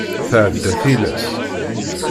Tɛedda tilas.